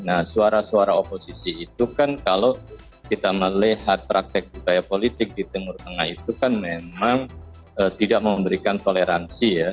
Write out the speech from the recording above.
nah suara suara oposisi itu kan kalau kita melihat praktek budaya politik di timur tengah itu kan memang tidak memberikan toleransi ya